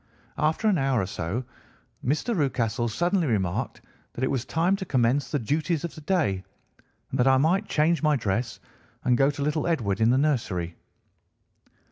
After an hour or so, Mr. Rucastle suddenly remarked that it was time to commence the duties of the day, and that I might change my dress and go to little Edward in the nursery.